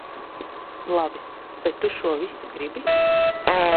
Labi, bet tu šo visu gribi?